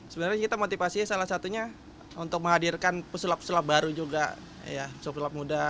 sebenarnya kita motivasinya salah satunya untuk menghadirkan pesulap pesulap baru juga suap muda